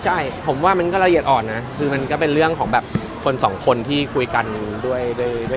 ใช่ผมว่ามันก็ละเอียดอ่อนนะคือมันก็เป็นเรื่องของแบบคนสองคนที่คุยกันด้วยเหตุผลอะไรอย่างนี้ครับ